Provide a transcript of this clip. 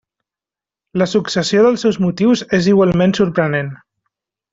La successió dels seus motius és igualment sorprenent.